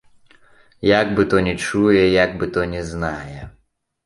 Як бы то не чуе, як бы то не знае!